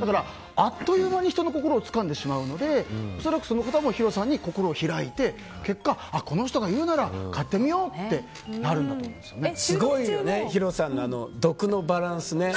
だから、あっという間に人の心をつかんでしまうので恐らく、その方もヒロさんに心を開いて結果、この人が言うなら買ってみようってなるんだとすごいよねヒロさんの毒のバランス。